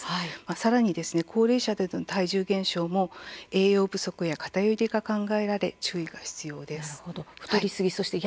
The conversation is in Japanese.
さらに高齢者での体重減少も栄養不足や偏りが考えられ注意が必要です。